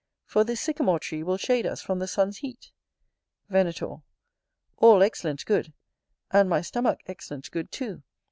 for this sycamore tree will shade us from the sun's heat. Venator. All excellent good; and my stomach excellent good, too.